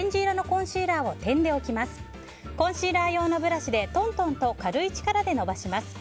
コンシーラー用のブラシでトントンと軽い力で伸ばします。